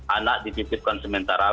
anak dipitipkan sementara